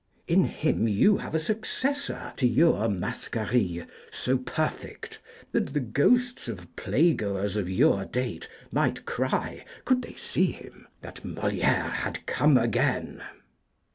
In him you have a successor to your Mascarille so perfect, that the ghosts of play goers of your date might cry, could they see him, that Moliére had come again.